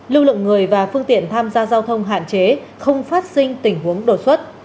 lưu lượng người và phương tiện tham gia giao thông hạn chế không phát sinh tình huống đột xuất